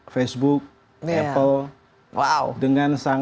facebook apple dengan sangat